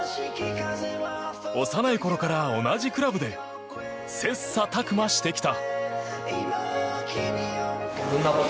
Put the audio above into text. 幼い頃から同じクラブで切磋琢磨してきた。